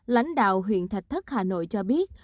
lãnh đạo huyện thạch thất hà nội cho biết